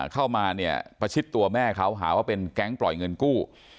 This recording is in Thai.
เข้ามาเนี่ยประชิดตัวแม่เขาหาว่าเป็นแก๊งปล่อยเงินกู้